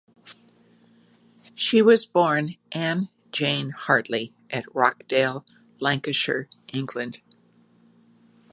She was born Anne Jane Hartley at Rochdale, Lancashire, England.